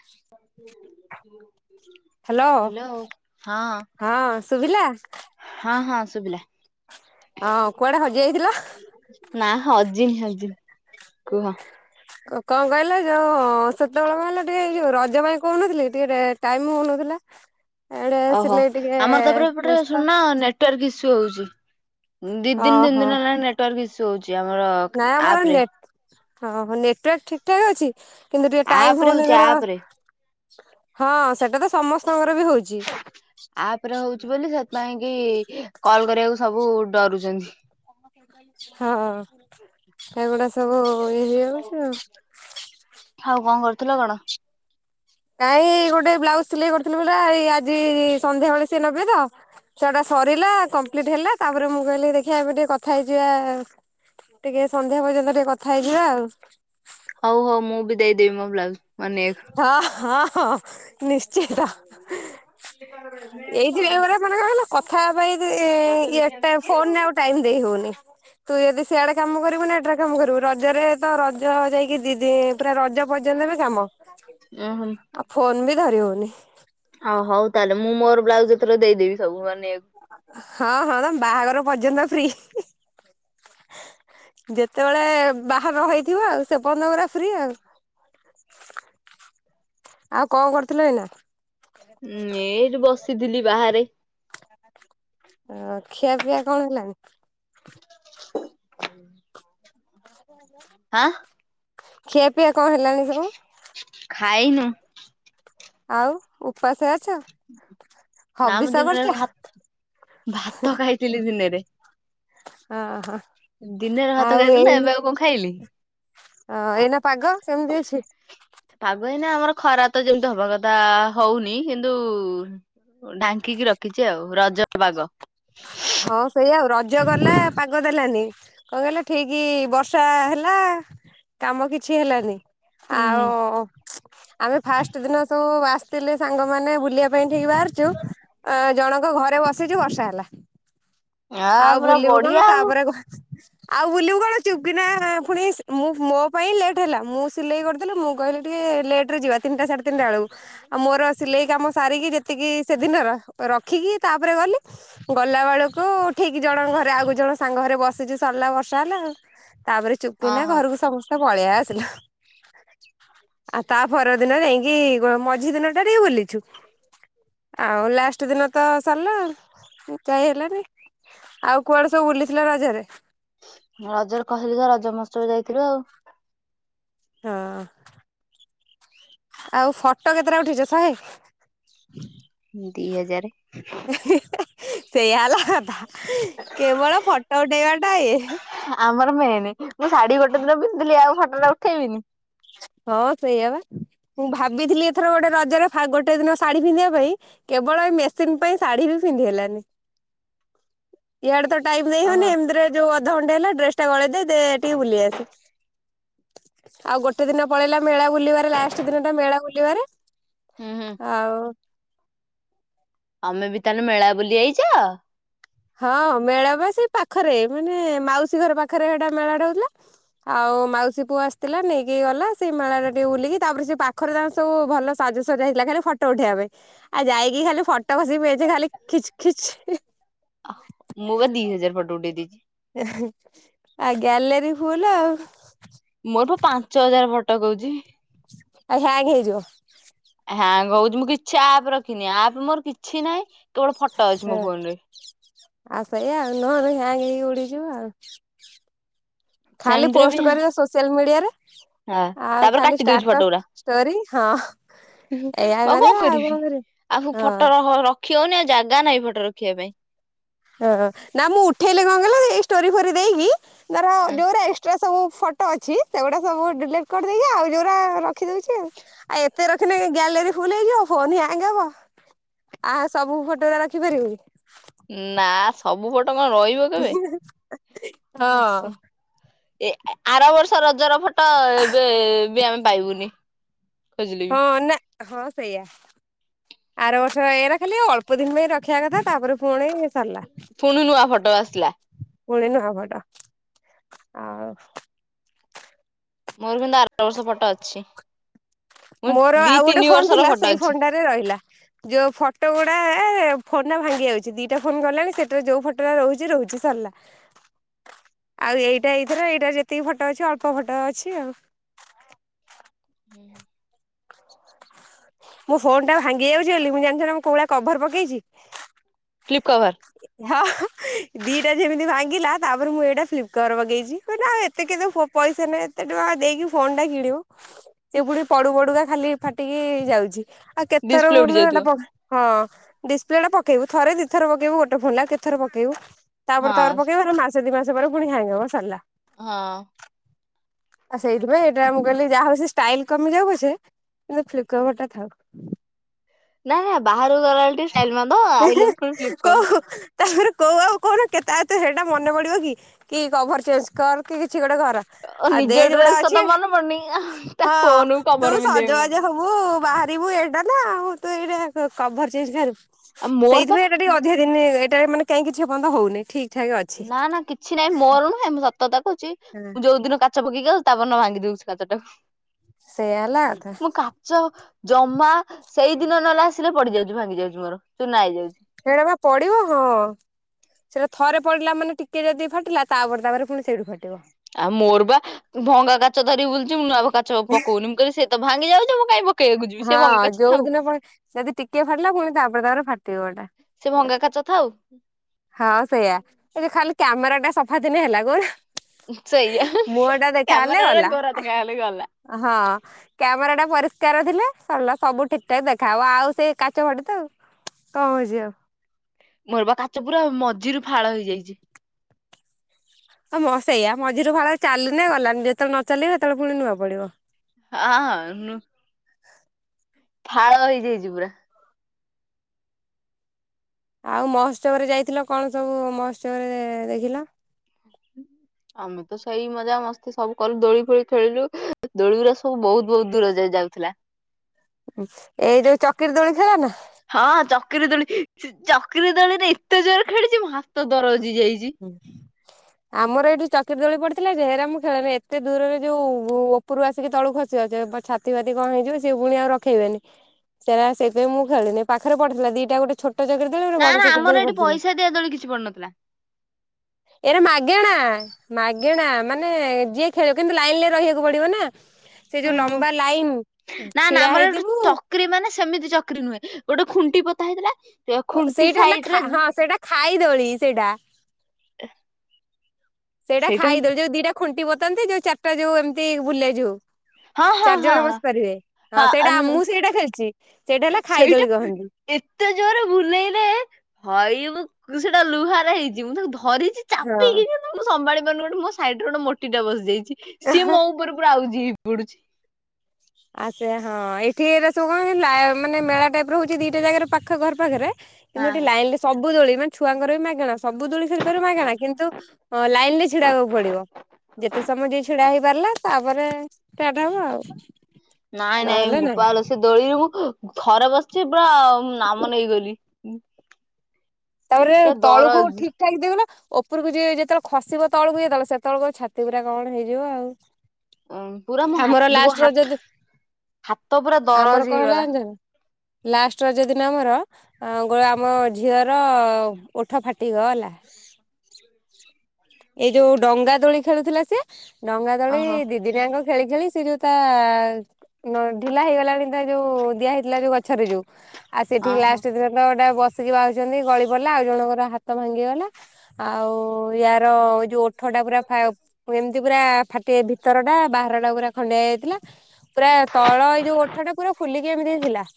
[unintelligible] Hello, ହଁ ହଁ ସୁଭିଲା। ହଁ ହଁ ଶୁବିଲା। ହଁ କୁଆଡେ ହଜି ଯାଇଥିଲ? ନା ହଜିିନି ହଜିନି କୁହ। କଣ କହିଲ ଯୋଉ ସେତେବେଳେ କ କହିଲ ଏଇ ରଜ ପାଇଁ କହୁନଥିଲି ଟିକେ ରେ ଟାଇମ୍ ହଉ ନଥିଲା। ଓହୋ ଆମର ତାପରେ ଏପଟରେ ବ୍ୟସ୍ତ ଶୁଣୁନ ନେ ଟେ ୱର୍କ ଇସ୍ୟୁ ହଉଚି ଦି ଦିନି ତିନି ଓହୋ ଦିନି ହେଲାଣି ନେ ନେଟୱାର୍କ ଇସ୍ୟୁ ହଉଚି ଆମର ଆପ୍ ରେ। ହଁ, ନେଟୱାର୍କ ଠିକ ଠାକ୍ ଅଛି କିନ୍ତୁ ଟିକେ ଆପ ଟାଇମ ରେ ହଉନି ହଉଛି ଧର ଆପ ରେ ହଁ ସେଟା ତ ସମସ୍ତଙ୍କର ବି ହଉଚି। ଆପ ରେ ହଉଛି ବୋଲି ସେଥିପାଇଁ କି କଲ କରିବାକୁ ସବୁ ଡରୁଚନ୍ତି। ହଁ ସେଗୁଡା ସବୁ ଇଏ ହେଇଯାଉଚି ଆଉ। ଆଉ କଣ କରୁଥିଲ କଣ? ନାଇଁ ଗୋଟେ ବ୍ଲାଉଜ ସିଲେଇ କରିୁଥିଲି ବଲା ଏଇ ଆଜି ସନ୍ଧ୍ୟାବେଳେ ସିଏ ନେବେ ତ। ସେଟା ସରିଲା କମ୍ପ୍ଲିଟ ହେଲା ତାପରେ ମୁଁ କହିଲି ଦେଖିବା ଏବେ ଟିକେ କଥା ହେଇଯିବା। ଟିକେ ସନ୍ଧ୍ୟା ପର୍ଯ୍ୟନ୍ତ ଟିକେ କଥା ହେଇଯିବା ଆଉ। ହଉ ହଉ ମୁଁ ବି ଦେଇଦେବି ମୋ ବ୍ଲାଉଜ୍ ବନେଆକୁ। ହଁ ହଁ ହଁ ନିଶ୍ଚିନ୍ତ। ଏଇଥିରେ ପୁରା ମାନେ କଣ କହିଲ କଥା [unintelligible] ଫୋନରେ ଆଉ ଟାଇମ ଦେଇ ହଉନି। ତୁ ଯଦି ସିଆଡେ କାମ କରିବୁ ନା ଏଟାରେ କାମ କରିବୁ, ରଜରେ ତ ରଜ ଯାଇକି ଦି ଦେ ପୁରା ରଜ ପର୍ଯ୍ୟନ୍ତ ବି କାମ, ଓହୋ ଆଉ ଫୋନ ବି ଧରି ହଉନି। ହଁ, ହଉ ତାହେଲେ ମୁଁ ମୋର ବ୍ଲାଉଜ ଏଥର ଦେଇଦେବି ସବୁ ବନେଆକୁ। ହଁ, ହଁ ତମ ବାହାଘର ପର୍ଯ୍ୟନ୍ତ ଫ୍ରି। ଯେତେବେଳେ ବାହା ନ ହେଇଥିବ ଆଉ, ସେ ପଯ୍ୟନ୍ତ ପୁରା ଫ୍ରି ଆଉ। ଆଉ କଣ କରୁଥିଲ ଏଇନା? ଉଁ ଏ ଏଇଠି ବସିଥିଲି ବାହାରେ। ଅ ଖିଆ ପିଇଆ କଣ ହେଲାଣି? [inaudible] [unintelligible] ଆଁ। ଖିଆ ପିଆ କଣ ହେଲାଣି ସବୁ? ଖାଇନୁ? ଆଉ ଉପାସେ ଅଛ? ନା ମୁଁ ହବିଷ ଦିନରେ କରୁଛ? ଭା ଭାତ ଖାଇଥିଲି ଦିନେରେ। ହଁ, ହଁ। ଦିନରେ ଭାତ ଖାଇଥିଲା, ଏବେ ଆଉ କଣ ଖାଇଲି? ହଁ ଏଇନା ପାଗ କେମିତି ଅଛି? ପାଗ ହେଇନା ଆମର ଖରା ତ ଯେମିତି ହବା କଥା ହଉନି, କିନ୍ତୁ ଢାଙ୍କିକି ରଖିଛି ଆଉ ରଜ ପାଗ। ହଁ ସେଇ ଆଉ ରଜ ଗଲା ପାଗ ଦେଲାନି। କଣ କହିଲ ଠିକ ବର୍ଷା ହେଲା କାମ କିଛି ହେଲାନି। ଉୁଁ ହୁଁ ଆଉ ଆମେ ଫାଷ୍ଟ ଦିନ ସବୁ ଆସି ଥିଲେ ସାଙ୍ଗମାନେ ବୁଲିବା ପାଇଁ ଠିକ ବାହାରୁଛୁ ଅ ଜଣଙ୍କ ଘରେ ବସିଛୁ ବର୍ଷା ହେଲା। ଆ ଆଉ ପୁରା ବୁଲିବୁ ବଢିଆ କଣ ଆଉ। ତାପରେ ଘ ଆଉ ବୁଲିବୁ କଣ ଚୁପକିନା ପୁଣି ମୁଁ ମୋ ପାଇଁ ଲେଟ ହେଲା। ମୁଁ ସିଲେଇ କରୁଥିଲି ମୁଁ କହିଲି ଟିକେ ଲେଟ ଅଟରେ ଯିବା ତିନଟା ସାଢେ଼ ତିନିଟା ବେଳକୁ ଆଉ ମୋର ସିଲେଇ କାମ ସାରିକି ଯେତିକି ସେଦିନର ରଖିକି ତାପରେ ଗଲି। ଗଲା ବେଳକୁ ଠିକ ଜଣ ଘରେ ଆଗୁ ଜଣ ସାଙ୍ଗ ଘରେ ବସିଛି ସରିଲା ବର୍ଷା ହେଲା। ଆ ତାପରେ ହଁ ଚୁପକିନା ହଁ ଘରକୁ ସମସ୍ତେ ପଳେଇ ଆସିଲୁ। ଆଉ ତା ପରଦିନ ଯାଇକି ମଝି ଦିନ ଟା ରେ ବୁଲିଛୁ। ଆଉ ଲାଷ୍ଟ ଦିନ ତ ସରିଲା ଆଉ। ଯାଇ ହେଲାନି ଆଉ କୁଆଡେ ସବୁ ବୁଲିଥିଲ ରଜରେ? ରଜରେ କହିଲି ତ ରଜ ମହୋତ୍ସବ ଯାଇଥିଲୁ ଆଉ। ହଁ। ଆଉ ଫଟୋ କେତେଟା ଉଠେଇଛ? ଶହେ। ଦି ହଜାରେ। ହେ, ହେ, ସେଇଆ ହେଲା କଥା କେବଳ ଫଟୋ ଉଠେଇବାଟା ଇଏ। ଆମର ମେନ୍। ମୁଁ ଶାଢୀ ଗୋଟେ ଦିନ ପିନ୍ଧିଥିଲି ଆଉ ଫଟୋଟା ଉଠେଇବିନି। ହଁ ସେଇଆ ବା। ମୁଁ ଭାବିଥିଲି ଏଥର ଗୋଟେ ରଜରେ ଗୋଟେ ଦିନ ଶାଢୀ ପିନ୍ଧିବା ପାଇଁ। କେବଳ ଏ ମେସିନ ପାଇଁ ଶାଢୀ ବି ପିନ୍ଧି ହେଲାନି। ଇଆଡେ ତ ଟାଇମ୍ ଦେଇ ହଉନି। ଓହୋ ଏମିତିରେ ଯୋଉ ଅଧଘଣ୍ଟେ ହେଲା ଡ୍ରେସ ଟା ଗଳେଇଦେ ଦେଟିକେ ବୁଲି ଆସେ। ଆଉ ଗୋଟେ ଗୋଟେ ଦିନ ପଳେଇଲା ମେଳା ବୁଲିବାରେ, ଲାଷ୍ଟ ଦିନ ଟା ମେଳା ବୁଲିବାରେ। ହୁଁ ହୁଁ ଆଉ ତମେ ବି ତାହେଲେ ମେଳା ବୁଲି ଆଇଚ? ହଁ ମେଳା ବା ସେ ପାଖରେ, ମାନେ ମାଉସୀ ଘର ପାଖରେ ସେଟା ମେଳାଟା ହଉଥିଲା। ଆଉ ମାଉସୀ ପୁଅ ଆସିଥିଲା ନେଇକି ଗଲା। ସେଇ ମେଳା ଟା ଟିକେ ବୁଲିକି, ତାପ ସେ ପାଖରେ ଯ ସବୁ ଭଲ ସାଜସଜ ହେଇଥିଲା, ଖାଲି ଫଟୋ ଉଠେଇବା ପାଇଁ। ଆଉ ଯାଇକି ଖାଲି ଫଟୋ ବସି ମେଞ୍ଚେ ଖାଲି ଖିଚ୍ ଖିଚ୍। ମୁଁ ବା ଦି ହଜାରେ ଫଟୋ ଉଠେଇ ଦେଇଛି। ଏଁ ଆଉ ଗ୍ୟାଲେରୀ ଫୁଲ ଆଉ। ମୋର ପାଞ୍ଚ ହଜାର ଫଟୋ କହୁଛି। ଆ ହ୍ୟାଙ୍ଗ ହେଇଯିବ। ହ୍ୟାଙ୍ଗ ହଉଛି, ମୁଁ କିଛି ଆପ ରଖିନି ଆପ୍ ମୋର କିଛି ନାହିଁ କେବଳ ଫଟୋ ଅଛି ମୋ ହଁ ଫୋନ ରେ ‌। ଆଉ ସେଇ ଆଉ ନହେଲେ ହ୍ୟାଙ୍ଗ ହେଇକି ଉଡିଯିବ ଆଉ। ହୁଁ। ଖାଲି ପୋଷ୍ଟ କରିବ ସୋସିଆଲ ମିଡିଆରେ। ହଁ ଆଉ ତାପରେ ଖାଲି କାଟି ଦଉଛି ଫଟୋ ଷ୍ଟାଟସ୍ ଗୁରା ଷ୍ଟୋରି ହଁ। ଏଇଆ ଆଉ କଣ କରିବା ଆଉ କରିବି, ଆଉ କରିବା ହଁ। ଫଟୋ ର ରଖିହଉନି ଆଉ ଜାଗା ନାହିଁ ଫଟୋ ରଖିବା ପାଇଁ। ହଁ, ନା ମୁଁ ଉଠେଇଲେ କଣ କଇଲ ଏଇ ଷ୍ଟୋରୀ ଫୋରି ଦେଇକି ତାର ପାଇଁ ଯୋଉଗୁରା ଏକ୍ଟ୍ରା ସବୁ ଫ ଅଛି ସେଗୁଡା ସବୁ ଡିଲେଟ୍ କରିଦେଇକି ଆଉ ଯଉରା ରଖିଦଉଛି ଆଉ। ଆ ଏତେ ରଖିଲେ ଗ୍ୟାଲେରୀ ଫୁଲ ହେଇଯିବ ଫୋନ ହ୍ୟାଙ୍ଗ ହବ। ଆ ସବୁ ଫଟୋଗୁରା ରଖିପାରିବୁକି? ନା ସବୁ ଫଟୋ କଣ ରହିବ କେବେ? ହଁ ଏ ଆର ବର୍ଷ ରଜର ଫଟୋ ଏବେ ବି ଆମେ ପାଇବୁନି। ଖୋଜିଲେ ବି ହଁ ନା ହଁ ସେଇଆ। ଆର ବର୍ଷ ଏରା ଖାଲି ଅଳ୍ପ ଦିନ ପାଇଁ ରଖିବା କଥା ତାପରେ ଫୁଣି ସରିଲା। ଫୁଣି ନୂଆ ଫଟୋ ଆସିଲା। ପୁଣି ନୁଆ ଫଟୋ ଆଉ ମୋର କିନ୍ତୁ ଆର ବର୍ଷର ଫଟୋ ଅଛି। ମୁଁ ମୋର ଦି ଆଉ ଗୋଟେ ତିନି ଫୋନ ବର୍ଷର ଥିଲା ଫଟୋ ସେଇ ଅଛି ଫୋନଟାରେ ରହିଲା। ଯୋ ଫଟୋ ଗୁଡା ଫୋନ ଟା ଭାଙ୍ଗି ଯାଉଚି ଦିଟା ଫୋନ ଗଲାଣି ସେଇଟାରେ ଯଉ ଫଟୋଗୁଡ଼ା ରହୁଚି ରହୁଚି ସରିଲା। [inaudible] ଆଉ ଏଇଟା ଏଇଥର ଏଇଟା ଯେତିକି ଫଟୋ ଅଛି ଅଳ୍ପ ଫଟୋ ଅଛି ଆଉ। ହୁଁ [inaudible] ମୋ ଫୋନ ଟା ଭାଙ୍ଗି ଯାଉଚି ବୋଲି ମୁଁ ଜାଣିିଚ ନାଁ କଉ ଭଳିଆ କଭର ପକେଇଚି? Flip cover. ହଁ ଦିଟା ଯେମିତି ଭାଙ୍ଗିଲା ତାପରେ ମୁଁ ଏଇଟା ଫ୍ଲିପ୍ କଭର ପକେଇଚି କହିଲ ଆଉ ଏତେ କେତେ ଫୋ ପଇସା ନାଇଁ ଏତେ ଟଙ୍କା ଦେଇକି ଫୋନ ଟା କିଣିବୁ। ସେ ଫୁଣି ପଡୁ ପଡୁକା ଖାଲି ଫାଟିକି ଯାଉଚି ଆଉ କେତେଥର ଡିସପ୍ଲେ ଉଠି କହୁନ ହେଇଟା ଯାଉଥିବ ପ ହଁ ଡିସପ୍ଲେ ଟା ପକେଇବୁ ଥରେ ଦିଥର ପକେଇବୁ ଗୋଟେ ଫୋନରେ ଆ କେତେ ଥର ପକେଇବୁ? ତାପରେ ହଁ ତାପରେ ପକେଇବ ନହେଲେ ମାସ ଦି ମାସେ ପରେ ପୁଣି ହ୍ୟାଙ୍ଗ ହବ ସରଲା। ହଁ। ଆ ସେଇଥିପାଇଁ ଏଇଟା ମୁଁ କହିଲି ଯାହା ହଉ ସେ ଷ୍ଟାଇଲ କମି ଯାଉ ପଛେ କିନ୍ତୁ ଫ୍ଲିିକଭରଟା ଥାଉ। ନା ନା ବାହାରକୁ ଗଲା ବେଳେ ଟିକେ ଷ୍ଟାଇଲ ମାରିଦବ ଆଇଲେ ପୁଣି ଫ୍ଲିପ୍ କଭର। କୋଉ ତାପରେ କୋଉ ଆଉ କହୁନ କେତେ ତ ହେଇଟା ମନେ ପଡିବ କି କି କଭର ଚେଞ୍ଜ କର କି କିଛି ଗୋଟେ କର। ଓ ଆ ନିଜ ଦେଖ କଉଟା ଡ୍ରେସ କଥା ଅଛି ମନେ ପଡୁନି ତା ହଁ ଫୋନକୁ ତୁ କଭର ପିନ୍ଧେଇବାକୁ ମନେ ସଜବାଜ ପଡୁନି। ହବୁ ବାହାରିବୁ ଏଇଟା ନା ଆଉ ତୁ ଏଇଟା କଭର ଚେଞ୍ଜ କରିବୁ। ଆଉ ମୋର ପା ସେଇଥିପାଇଁ ଏଇଟା ଟିକେ ଅଧିକ ଦିନି ଏଇଟାରେ ମାନେ କାଇଁ କିଛି ଏପର୍ଯ୍ୟନ୍ତ ହଉନି ଠିକ୍ ନା ନା କିଛି ନାଇଁ ମୋର ନୁହେଁ ମୁଁ ସତ କଥା କହୁଚି ହଁ ମୁଁ ଯଉ ଦିନ କା କାଚ ପକେଇକି ଆଉଚି ତା ପରଦିନ ଭାଙ୍ଗି ଦଉଚି କାଚଟାକୁ ସେଇୟା ହେଲା କଥା ମୁଁ କାଚ ଜମା ସେଇ ଦିନ ନହଲେ ଆସିଲେ ପଡି ଯାଉଚି ଭାଙ୍ଗି ଯାଉଚି ମୋର ଚୁନା ହେଇଯାଉଚି। ହେରା ବା ପଡିବ ହଁ। ସେରା ଥରେ ପଡିଲା ମାନେ ଟିକେ ଯଦି ଫାଟିଲା ତାପରେ ତାପରେ ପୁଣି ସେଇଠୁ ଫାଟିବ। ଆଉ ମୋର ବା ଭଙ୍ଗା କାଚ ଧରି ବୁଲୁଚି ମୁଁ ନୂଆ କା ତ ପକଉନି ମୁଁ କହିଲି ସେ ତ ଭାଙ୍ଗି ଯାଉଚି ମୁଁ କାଇଁ ପକେଇବାକୁ ଯିବି ସେ ଭଙ୍ଗା କାଚ ଥାଉ। ସେ ଯଦି ଟିକେ ଫାଟିଲା ପୁଣି ତାପରେ ତାପରେ ଫାଟିବ ହେଟା। ସେ ଭଙ୍ଗା କାଚ ଥାଉ। ହଁ ସେଇୟା ଟିକେ ଖାଲି କ୍ୟାମେରା ଟା ସଫା ଥିନେ ହେଲା ଗୋ ସେୟା କ୍ୟାମେରାରେ ଗଲା ଗୋରା ଦେଖା ଗଲେ ଗଲା। ହଁ। କ୍ୟାମେରା ଟା ପରିଷ୍କାର ଥିଲେ ସରିଲା ସବୁ ଠିକ୍ ଠାକ୍ ଦେଖା ହବ ଆଉ ସେଇ କାଚ ଫାଟୁ ଥାଉ। କଁ ବୁଝିବ? ମୋର ବା କାଚ ପୁରା ମଝିରୁ ଫାଳ ହେଇଯାଇଚି। ହ ମ ସେଇଆ ମଝିରୁ ଫାଳ ଚାଲୁନେ ଗଲା ଯେତେବେଳେ ନ ଚାଲିବ ହେତେଳେ ପୁଣି ନୁଆ ପଡିବ। ହଁ ନୁଁ ଫାଳ ହେଇଯାଇଚି ପୁରା। ଆଉ ମହୋତ୍ସବରେ ଯାଇଥିଲ କଣ ସବୁ ମହୋତ୍ସବରେ ଦେଖିଲ? ଆମେ ତ ସେଇ ମଜା ମସ୍ତି ସବୁ କଲୁ ଦୋଳି ଫୋଳି ଖେଳିଲୁ ଦୋଳିିଗୁରା ସବୁ ବହୁତ ବହୁତ ଦୂର ଯାଏ ଯାଉଥୁଲା। [inaudible] ଏଇ ଯୋଉ ଚକିରି ଦୋଳି ଖେଳ ନା? ହଁ ଚକିରୀ ଦୋଳି ଚକିରି ଦୋଳିରେ ଏତେ ଜୋରେ ଖେଳିଚି ମୋ ହାତ ଦରଜ ହେଇଯାଇଚି। ଆମର ଏଇଠି ଚାକିରି ଦୋଳି ପଡିଥିଲା ଯେହେରା ମୁଁ ଖେଳନି ଏତେ ଦୂରରେ ଯୋଉ ଓପୁରୁ ଆସିକି ତଳୁ ଖସିବ ଯେ ଛାତି ଫାତି କଣ ହେଇଯିବ ସେ ପୁଣି ଆଉ ରଖେଇବେନେହିଁ। ସେରି ସୋଇଥିପାଇ ମୁଁ ଖେଳିନି ପାଖରେ ପଡି ଥିଲା ଦିଟା ଗୋଟେଛୋଟ ଜାଗରେ। ନା ନା ଆମର ଏଠି ପଇସା ଦିଆଦୋଳେ କିଛି ପଡୁନଥିଲା। ଏରା ମାଗେଣା। ମାଗେଣା ମାନେ ଯିଏ ଖେଳିବ କିନ୍ତୁ ଲାଇନ୍ ରେ ରହିବାକୁ ପଡିବ ନା। ସେ ଯୋଉ ଓହୋ ଲମ୍ବା ଲାଇନ୍ ଛିଡା ହେଇଥିବୁ। ଚକିରି ମାନେ ସେମିତି ଚକିରି ନୁହେଁ ଗୋଟେ ଖୁଣ୍ଟି ପୋତା ହେଇଥିଲା। ଓ ଖୁଣ୍ଟି ସେଇଟା ହେଲା ସାଇଡ ରେ ହଁ ସେଇଟା ଖାଇଦଳି ସେଇଟା। ଏ। ସେଇଟା ଖାଇଦୋଳି ଯୋଉ ଦିଟା ଖୁଣ୍ଟି ପୋତନ୍ତି ଯୋଉଦିଟା ଯଉ ଏମିତି ବୁଲେ ଯୋଉ। ହଁ ହଁ ଚାରି ହଁ ଜଣ ବସିପାରିବେ ହଁ ମୁଁ ସେଇଟା ମୁଁ ସେଇଟା ଖେଳିଚି। ସେଇଟା। ଏତେ ଜୋରେ ବୁଲେଇଲେ ହଇଲୁ ଲୁ ସେଟା ଲୁହାରେ ହେଇଚି ମୁଁ ତାକୁ ଧରିଚି ଝ ମୁଁ ସମ୍ଭାଳି ପାରୁନି ଗୋଟେ ମୋ ସାଇଡ୍ ରେ ଗୋଟେ ମୋଟି ଟେ ବସିଯାଇଚି ହଁ। ସିଏ ମୋ ଉପରେ ପୁରା ଆଉଜି ହେଇ ପଡ଼ୁଚି। ଆ ସେ ହଁ ଏଠି ଏ ସବୁ କଣ ହେଲା ମାନେ ମେଳା ଟାଇପ୍ ର ହହୁଚି ଦିଟା ଜାଗାରେ ପାଖ ଘର ପାଖରେ। କିନ୍ତୁ ଏଠି ହଁ ଲାଇନ୍ ରେ ସବୁ ଦୋଳି ମାନ ଛୁଆଙ୍କର ବି ମାଗଣା ସବୁ ଦୋଳି ଖେଳି ପାରିବୁ ମାଗଣା କିନ୍ତୁ ଲାଇନ୍ ରେ ଛିଡାହବାକୁ ପଡିବ। ଯେତେ ସମୟ ଯେ ଛିଡା ହେଇପାରିଲା ତାପରେ ଷ୍ଟାର୍ଟ ହବ ଆଉ। ନାଇଁ ନାଇଁ ନହେଲେ ନାହିଁ। ଭୋପାଲୋ। ସେ ଦୋଳିରେ ମୁଁ ଥରେ ବସିଚି ପୁରା ନାମ ନେଇଗଲି। ତାପରେ ପୁରା ତଳକୁ ଦରଜ ଠିକ୍ ଠାକେ ଦେଉ ନା। ଉପରକୁ ଯିଏ ଯେତେବେଳେ ଖସିବ ତଳକୁ ଯେତେବେଳେ ସେତେବେଳକୁ ଛାତି ପୁରା କଣ ହେଇଯିବ ଆଉ। ପୁରା ମୋ ହାତ ଆମର ଲାଷ୍ଟେ ରଜ ହାତ ଦିନ୍ ହାତ ପୁରା ଦରଜ ଆମର କହେଲା ହେଇଗଲା। ଜାଣିଛନ୍ତି। ଲାଷ୍ଟେରଜ ଦିିନ ଆମର ଗ ଆମ ଝିଅ ର ଓଠ ଫାଟିଗଲା। ଏଇ ଯୋଉ ଡଙ୍ଗା ଦୋଳି ଖେଳୁଥିଲା ସିଏ ଡଙ୍ଗା ଦୋଳି ଓହୋ ଦି ଦିନଯାଙ୍କ ଖେଳି ଖେଳି ସେ ଯେଉ ତା ନ ଢିଲା ହେଇଗଲାଣି ତା ଯୋଉ ଦିଆ ହେଇଥିଲା ଯୋଉ ଗଛରେ ଯୋଉ ଆଉ ସେଠିକି ଓହୋ ଲାଷ୍ଟ ଦିନ ଗଟା ବସିକି ବାହୁଚନ୍ତି ଗଳି ପଡ଼ିଲା ଆଉ ଜଣଙ୍କର ହାତ ଭାଙ୍ଗିଗଲା ଆଉ ୟା ଯୋଉ ଓଠଟା ପୁରା ଫା ଏମିତି ପୁରା ଫାଟି ଭିତର ଟା ବାହାର ଟା ପୁରା ଖଣ୍ଡିଆ ହେଇଯାଇଥିଲା। ପୁରା ତଳ ଏଇ ଯୋଉ ଓଠ ଟା ପୁରା ଫୁଲିକି ଏମିତି ଥିଲା।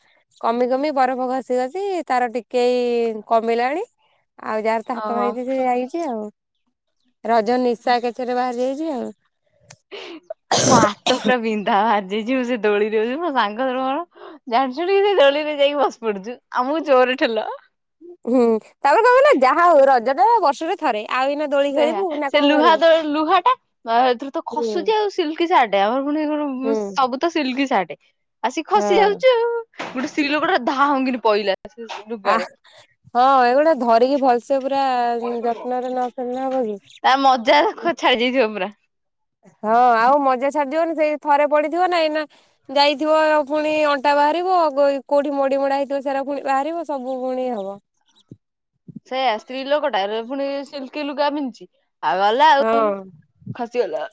କମି କମି ବରଫ ଘଷି ଘଷି ତାର ଟିକେଏଇ କମିଇଲାଣି। ଆଉ ଯାହର ତ ହାତ ଓହୋ ଭାଙ୍ଗିଚି ସେ ଯାଇଚି ଆଉ ରଜ ନିଶା ଏକାଥରେ ବାହାରି ଯାଇଚି ଆଉ। ମୋ ହାତ ପୁରା ବିନ୍ଧା ବାଜିଚି ମୁଁ ସେ ଦୋଳିରେ ଦଉଚି ମୋ ସାଙ୍ଗ ର ମୋର। ଜାଣି ସୁଣିକି ସେ ଦୋଳିରେ ଯାଇକି ବସି ପଡୁଚୁ ଆମକୁ ଜୋରେ ଠେଲ। ହୁଁ, ତାପରେ କଣ ନା ଯାହା ହେଉ ରଜ ଟା ବର୍ଷ ରେ ଥରେ ଆଉ ଏଇନା ଦୋଳି ଖେଳିବୁ ସେଇୟା ନା ସେ କଣ ଲୁହା କରିବୁ। ଲୁହାଟା ଏଥିର ତ ହୁଁ ଖସୁଛି ଆଉ ସିଲକି ସାର୍ଟ ଆମର ପୁଣି କଣ ହୁଁ ସବୁ ତ ସିଲକି ସାଟେ ଆ ସିଏ ଖସି ହଁ। ଯାଉଛି ଆଉ। ଗୋଟେ ସ୍ତ୍ରୀ ଲୋକଟାର ଧାଉଁ କିନି ପଇଲା। [unintelligible] ଆ ହଁ ଏଗୁଟେ ଧରିକି ଭଲସେ ପୁରା ଯତ୍ନରେ ନ ଫେରିଲେ ହବ କି। ତା ମଜା ଛାଡି ଯାଇଥିବ ପୁରା। ହଁ ଆଉ ମଜା ଛାଡିଜିବନି ସେଇ ଥରେ ପଡିଥିବ ନା ଏ ନା। ଯାଇଥିବ ପୁଣି ଅଣ୍ଟା ବାହାରିବ କୋଉଠି ମଡି ମଡା ହେଇଥିବ ସେରା ପୁଣି ବାହାରିବ ସବୁ ପୁଣି ହବ। ସେଇୟା ସ୍ତ୍ରୀ ଲୋକଟା ପୁଣି ସିଲକି ଲୁଗା ପିନ୍ଧିଚି ଆଉ ଗଲା ହଁ ଆଉ। ଖସିଗଲା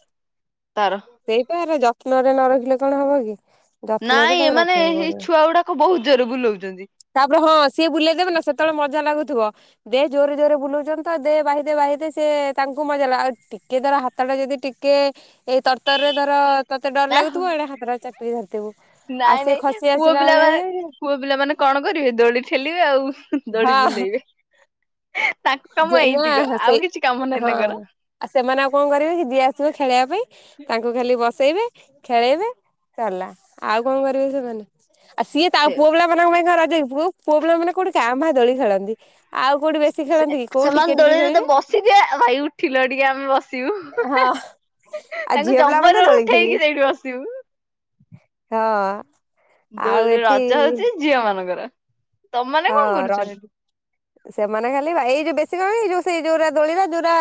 ତାର। ସେଇପା ଏରା ଯତ୍ନରେ ନ ରଖିଲେ କଣ ହବ କି? ଯତ୍ନରେ ନାଇଁ ତାକୁ ଏମାନେ ରଖିବାକୁ ଏଇ ପଡିବ। ଛୁଆ ଗୁଡାକ ବହୁତ ଜୋରରେ ବୁଲଉଛନ୍ତି। ତାପରେ ହଁ ସିଏ ବୁଲେଇଦେବେ ନା ସେତେବେଳେ ମଜା ଲାଗୁଥିବ। ଦେ ଜୋରରେ ଜୋରରେ ବୁଲଉଛନ୍ତି ତ ଦେ ବାହି ବାହି ଦେ ସେ ତାଙ୍କୁ ମଜା ଲା ଆଉ ଟିକେ ହାତ ଟା ଯଦି ଟିକେ ଏଇ ତରତର ରେ ଧର ତତେ ଡର ନା ଲାଗୁଥିବ ଏଣେ ହାତଟା ଚାପିକୀଧର୍ଥିବୁ। ନାଇଁ ନାଇଁ ପୁଅ ପିଲା ବା ପୁଅ ପିଲାମାନେ କଣ କରିବେ ଦୋଳି ଠେଲିବେ ଆଉ ହଁ ଦୋଳି ବୁଲେଇବେ। ତାଙ୍କ କାମ ଯେ ଏଇତିକ ନା ଆଉ ସେ କିଛି କାମ ହ ନାହିଁ ହଁ ତାଙ୍କର। ଆଉ ସେମାନେ ଆଉ କଣ କରିବେ କି ଯିଏ ଆସିବ ଖେଳିବା ପାଇଁ ତାଙ୍କୁ ଖାଲି ବସେଇବେ ଖେଳେଇବେ। ସରିଲା ଆଉ କଣ କରିବେ ସେମାନେ ଆଉ ସିଏ ତ ଆଉ ସେ ପୁଅ ପିଲା ମାନଙ୍କ ପାଇଁ କଣ ରଜ କି, ପୁଅ ପୁଅ ପିଲା ମାନେ କୋଉଠି ଙ୍କା ଭା ଦୋଳି ଖେଳନ୍ତି ଆଉ କୋଉଟି ସେମାନେ ଦୋଳିରେ ତ ବସି ଥିବେ ଭାଇ ଉଠିଲ ଟିକେ ଆମେ ବସିବୁ। ହଁ ଆଉ ତାଙ୍କୁ ଝିଅ ପିଲା ମାନେ ଜବର ଦୋଳି ଖେଳିବେ ଉଠେଇକି ସେଇଠି ବସିବୁ। ହଁ। ଦୋ ଆଉ ଏଠି ରଜ ହଉଛି ଝିଅ ମାନଙ୍କର। ତମ ମାନେ ହଁ କଣ ର କରୁଛ ସେଠି? ସେମାନେ ଖାଲି ଏଇ ଯୋଉ ବେଶୀ କଣ ଯୋଉ ସେଇ ଯୋଉରା ଦୋଳିିରେ ଯୋଉରା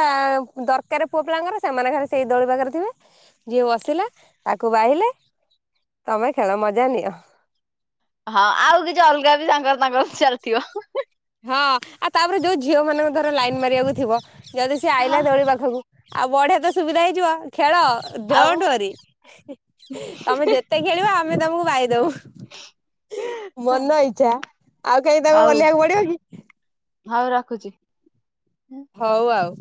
ଦରକାର ପୁଅ ପିଲାଙ୍କର ସେମାନେ ଖାଲି ସେଇ ଦୋଳି ପାଖରେ ଥିବେ ଯିଏ ବସିଲା ତାକୁ ବାହିଲେ ତମେ ଖେଳ ମଜା ନିଅ। ହଁ ଆଉ କିଛି ଅଲଗା ବି ତାଙ୍କର ତାଙ୍କର ଚାଲିଥିବ। ହଁ ଆଉ ତାପରେ ଯୋଉ ଝିଅ ମାନ ଙ୍କୁ ଧର ଲାଇନ ମାରିବାକୁ ଥିବ ଯଦି ସିଏ ହଁ ଆଇଲା ଦୋଳି ପାଖକୁ ଆଉ ବଢିଆ ତ ସୁବିଧା ହେଇଯିବ ଖେଳ ଆଉ ଡୋଣ୍ଟୱର୍ରୀ। ତମେ ଯେତେ ଖେଳିବ ଆମେ ତମକୁ ବାହିଦବୁ। ମନ ଇଚ୍ଛା ଆଉ କାହିଁକି ତାକୁ ହଉ ଓହ୍ଲେଇବାକୁ ପଡିବ କି? ହଉ ରଖୁଛି? ହଉ ଆଉ।